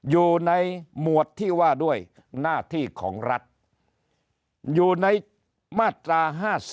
อยู่ในหมวดที่ว่าด้วยหน้าที่ของรัฐอยู่ในมาตรา๕๔